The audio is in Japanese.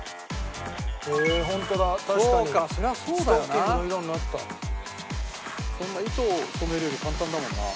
「こんな糸を染めるより簡単だもんな」